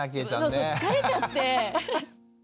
そうそう疲れちゃって。